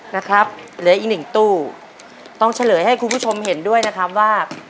นะครับเหลืออีกหนึ่งตู้ต้องเฉลยให้คุณผู้ชมเห็นด้วยนะครับว่า